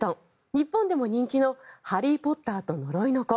日本でも人気の「ハリー・ポッターと呪いの子」